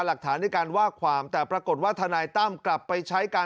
หลักฐานในการว่าความแต่ปรากฏว่าทนายตั้มกลับไปใช้การ